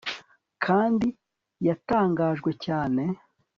Kandi yatangajwe cyane